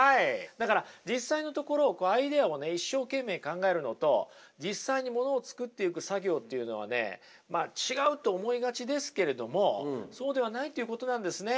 だから実際のところこうアイデアをね一生懸命考えるのと実際にものを作っていく作業っていうのはねまあ違うと思いがちですけれどもそうではないということなんですね。